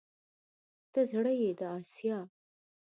ته زړه يې د اسيا